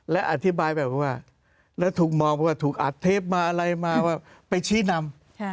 และอธิบายแบบว่าแล้วถูกมองว่าถูกอัดเทปมาอะไรมาว่าไปชี้นำ